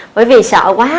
bởi vì sợ quá